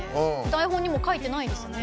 台本にも書いてないですね。